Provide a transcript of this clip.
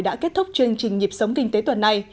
đã kết thúc chương trình nhịp sống kinh tế tuần này